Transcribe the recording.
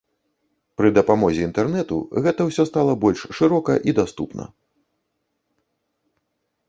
Пры дапамозе інтэрнэту гэта ўсё стала больш шырока і даступна.